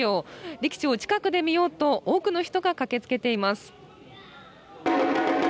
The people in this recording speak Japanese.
力士を近くで見ようと多くの人が駆けつけています。